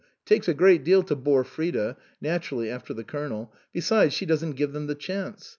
It takes a great deal to bore Frida naturally, after the Colonel. Besides she doesn't give them the chance.